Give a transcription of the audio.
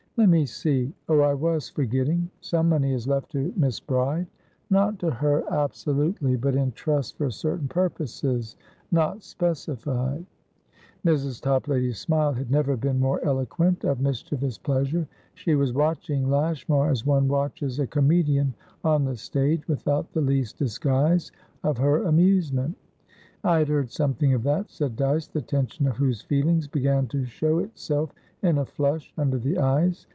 "Let me seeOh, I was forgetting. Some money is left to Miss Bride; not to her absolutely, but in trust for certain purposes not specified." Mrs. Toplady's smile had never been more eloquent of mischievous pleasure. She was watching Lashmar as one watches a comedian on the stage, without the least disguise of her amusement. "I had heard something of that," said Dyce, the tension of whose feelings began to show itself in a flush under the eyes.